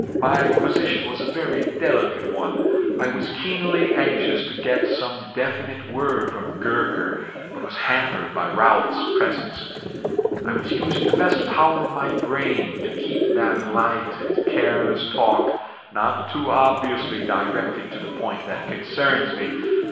My position was a very delicate one. I was keenly anxious to get some definite word from Gurker, but was hampered by Ralphs' presence. I was using the best power of my brain to keep that light and careless talk not too obviously directed to the point that concerns me.